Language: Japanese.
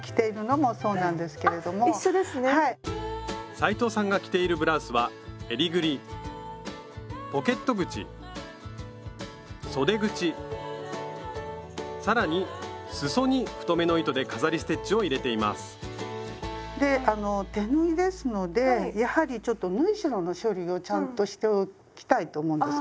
斉藤さんが着ているブラウスはえりぐりポケット口そで口更にすそに太めの糸で飾りステッチを入れていますであの手縫いですのでやはりちょっと縫い代の処理をちゃんとしておきたいと思うんですね。